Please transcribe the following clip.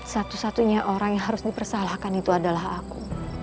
satu satunya orang yang harus dipersalahkan itu adalah aku